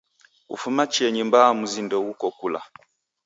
Kufuma chienyi mbaa mzi ndeghuko kula.